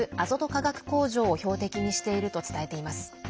化学工場を標的にしていると伝えています。